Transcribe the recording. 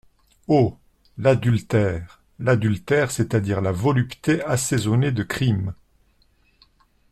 Oh ! l’adultère ! l’adultère, c’est-à-dire la volupté assaisonnée de crime !